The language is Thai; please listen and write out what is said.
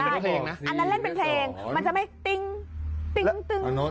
อันนั้นเล่นเป็นเพลงมันจะไม่ติ๊ง